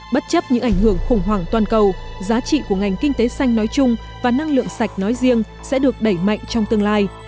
bất chấp những ảnh hưởng khủng hoảng toàn cầu giá trị của ngành kinh tế xanh nói chung và năng lượng sạch nói riêng sẽ được đẩy mạnh trong tương lai